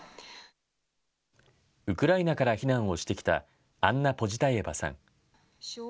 ウクライナから避難をしてきたアンナ・ポジダイェヴァさん。